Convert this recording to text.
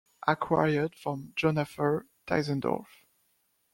Acquired from Jonapher Deisendorf.